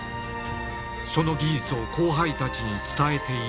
その技術を後輩たちに伝えていこう！